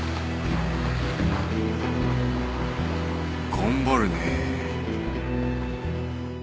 頑張るね。